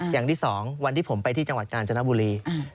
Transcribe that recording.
อย่างที่๒วันที่ผมไปที่จังหวัดกาญจนบุรี